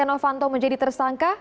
apakah kt novanto menjadi tersangka